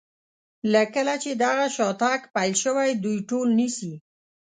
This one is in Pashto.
له کله چې دغه شاتګ پیل شوی دوی ټول نیسي.